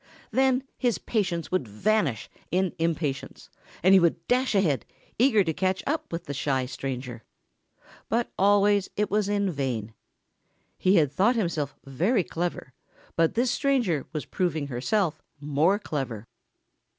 Then his patience would vanish in impatience, and he would dash ahead, eager to catch up with the shy stranger. But always it was in vain. He had thought himself very clever but this stranger was proving herself more clever.